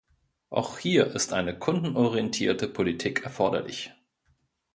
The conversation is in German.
Auch hier ist eine kundenorientierte Politik erforderlich.